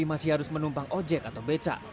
pertama wajib harus menumpang ojek atau becak